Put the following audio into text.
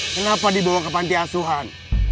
kenapa dibawa ke panti asuhan